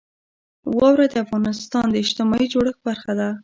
واوره د افغانستان د اجتماعي جوړښت برخه ده.